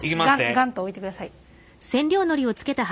ガンッと置いてください。